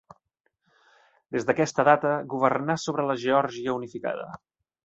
Des d'aquesta data governà sobre la Geòrgia unificada.